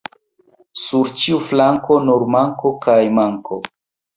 Sur ĉiu flanko nur manko kaj manko.